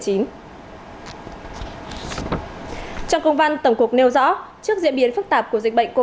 trong công văn tổng cục nêu rõ trước diễn biến phức tạp của dịch bệnh